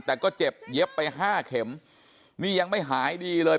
แต่ก็เจ็บเย็บไปห้าเข็มนี่ยังไม่หายดีเลย